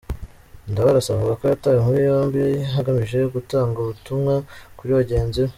Ndabarasa avuga ko yatawe muri yombi hagamijwe gutanga ubutumwa kuri bagenzi be.